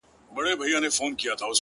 o ه تا ويل اور نه پرېږدو تنور نه پرېږدو؛